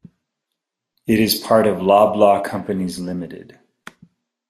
It is part of Loblaw Companies Limited.